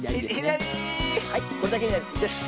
はいこれだけです！